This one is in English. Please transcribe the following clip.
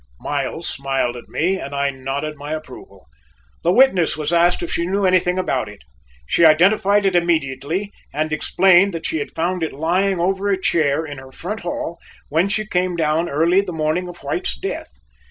Miles smiled at me and I nodded my approval. The witness was asked if she knew anything about it. She identified it immediately and explained that she had found it lying over a chair in her front hall when she came down early the morning of White's death.